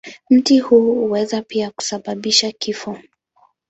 Mti huu huweza pia kusababisha kifo.